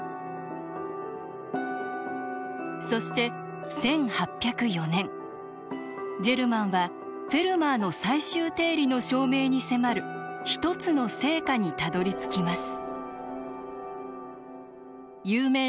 そして１８０４年ジェルマンは「フェルマーの最終定理」の証明に迫る一つの成果にたどりつきます。